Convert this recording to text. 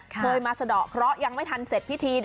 เคยมาสะดอกเคราะห์ยังไม่ทันเสร็จพิธี